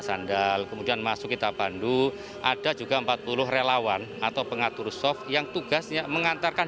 sandal kemudian masuk kita bandung ada juga empat puluh relawan atau pengatur soft yang tugasnya mengantarkan